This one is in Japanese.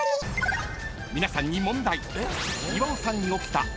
［皆さんに問題］